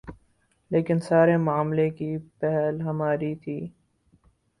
لیکن سارے معاملے کی پہل ہماری تھی۔